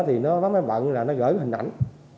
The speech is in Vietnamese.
thì nó bắt máy bận là nó gửi hình ảnh